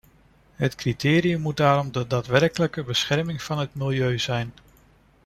Het criterium moet daarom de daadwerkelijke bescherming van het milieu zijn.